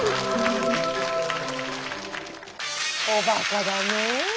おバカだねぇ。